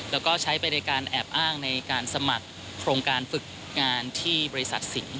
แล้วก็ใช้ไปในการแอบอ้างในการสมัครโครงการฝึกงานที่บริษัทสิงห์